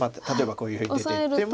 こういうふうに出ていっても。